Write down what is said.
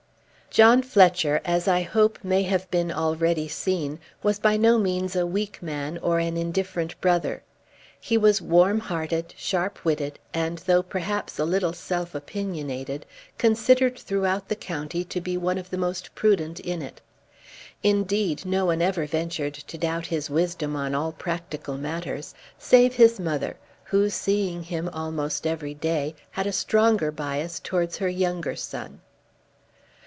John Fletcher, as I hope may have been already seen, was by no means a weak man or an indifferent brother. He was warm hearted, sharp witted, and, though perhaps a little self opinionated, considered throughout the county to be one of the most prudent in it. Indeed no one ever ventured to doubt his wisdom on all practical matters, save his mother, who seeing him almost every day, had a stronger bias towards her younger son.